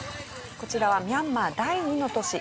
こちらはミャンマー第二の都市